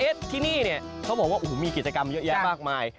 เอ๊ะที่นี่เขาบอกว่ามีกิจกรรมเยอะแยะมากมาย